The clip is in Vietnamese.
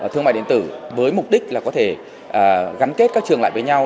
thương mại điện tử với mục đích là có thể gắn kết các trường lại với nhau